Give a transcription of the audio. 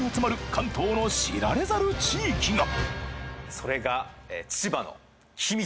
関東の知られざる地域がそれが。